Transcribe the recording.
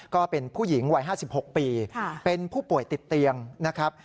ก็เป็นผู้หญิงวัย๕๖ปีเป็นผู้ป่วยติดเตียงนะครับ